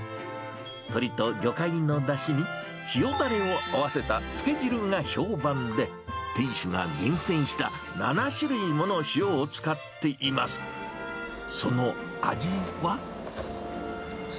鶏と魚介のだしに、塩だれを合わせたつけ汁が評判で、店主が厳選した７種類もの塩を使っています。